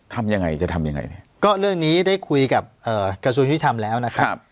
ทำยังไงจะทำยังไงเนี่ยก็เรื่องนี้ได้คุยกับเอ่อกระทรวงยุทธรรมแล้วนะครับ